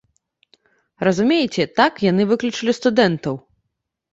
Разумееце, так яны выключылі студэнтаў.